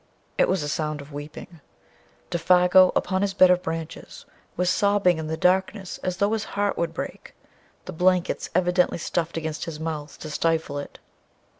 It was a sound of weeping; Défago upon his bed of branches was sobbing in the darkness as though his heart would break, the blankets evidently stuffed against his mouth to stifle it.